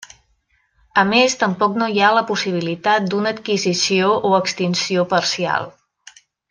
A més, tampoc no hi ha la possibilitat d'una adquisició o extinció parcial.